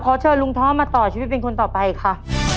เชิญลุงท้อมาต่อชีวิตเป็นคนต่อไปค่ะ